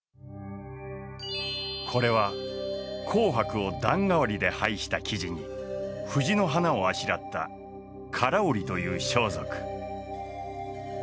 これは紅白を段替わりで配した生地に藤の花をあしらった唐織という装束。